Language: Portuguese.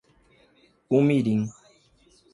Umirim